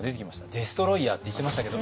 デストロイヤーって言ってましたけども。